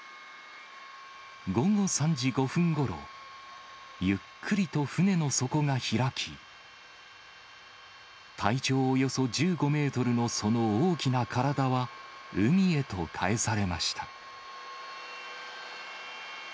午後３時５分ごろ、ゆっくりと船の底が開き、体長およそ１５メートルのその大きな体は、海へと帰されました。